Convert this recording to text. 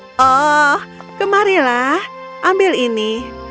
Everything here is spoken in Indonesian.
oh kemarilah ambil ini